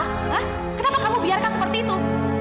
hah kenapa kamu biarkan seperti itu